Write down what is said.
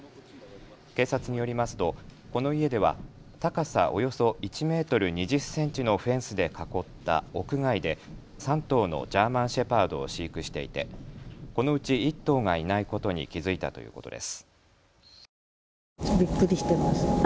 警察によりますとこの家では高さおよそ１メートル２０センチのフェンスで囲った屋外で３頭のジャーマン・シェパードを飼育していてこのうち１頭がいないことに気付いたということです。